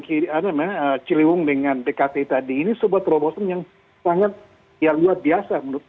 siliwung dengan pkt tadi ini sebuah terowongan yang sangat luar biasa menurut saya